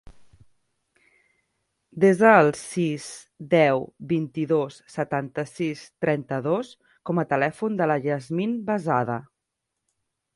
Desa el sis, deu, vint-i-dos, setanta-sis, trenta-dos com a telèfon de la Yasmine Besada.